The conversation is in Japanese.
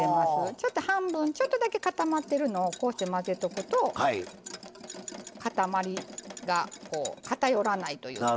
ちょっと半分ちょっとだけ固まってるのをこうして混ぜとくと固まりが偏らないというか。